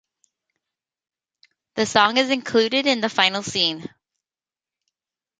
The song is included in the final scene.